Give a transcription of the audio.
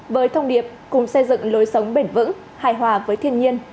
với thông điệp cùng xây dựng lối sống bền vững hài hòa với thiên nhiên